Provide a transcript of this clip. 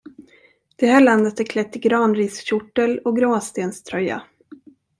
Det här landet är klätt i granriskjortel och gråstenströja.